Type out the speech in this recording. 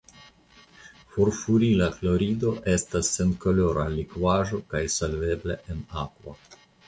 Furfurila klorido estas senkolora likvaĵo kaj solvebla en akvo.